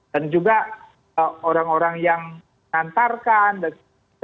dan juga orang orang yang santarkan dan sebagainya